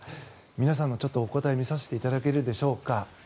皆さんのお答え見させていただけるでしょうか。